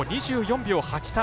２４秒８３。